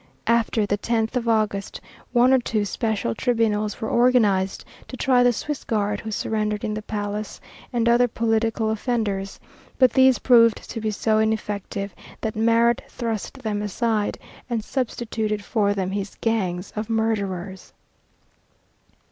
After the 10th of August one or two special tribunals were organized to try the Swiss Guard who surrendered in the Palace, and other political offenders, but these proved to be so ineffective that Marat thrust them aside, and substituted for them his gangs of murderers.